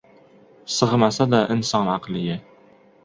Sig‘masada inson aqliga